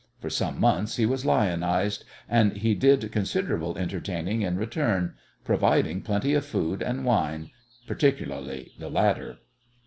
For some months he was lionized, and he did considerable entertaining in return, providing plenty of food and wine, particularly the latter.